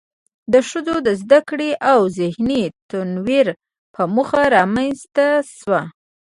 د ښځو د زده کړو او ذهني تنوير په موخه رامنځ ته شوه.